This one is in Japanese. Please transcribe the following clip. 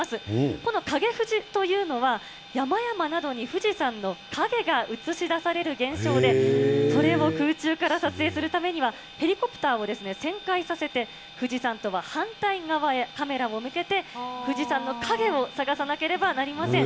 この影富士というのは、山々などに富士山の影が映し出される現象で、それを空中から撮影するためには、ヘリコプターをですね、旋回させて、富士山とは反対側へカメラを向けて富士山の影を探さなければなりません。